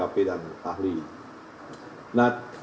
nah pertanyaan tadi adalah